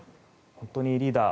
本当にリーダー